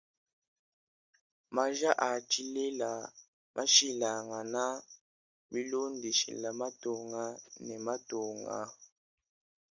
Maja a tshilela mmashilangana bilondeshela matunga ne matunga.